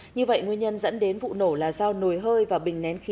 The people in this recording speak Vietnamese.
như vậy nguyên nhân dẫn đến vụ nổ là do nồi hơi và bình nén khí